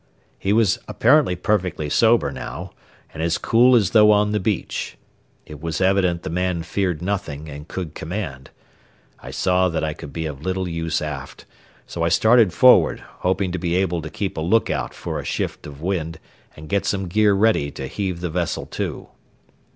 He was apparently perfectly sober now, and as cool as though on the beach. It was evident the man feared nothing and could command. I saw that I could be of little use aft, so I started forward, hoping to be able to keep a lookout for a shift of wind and get some gear ready to heave the vessel to.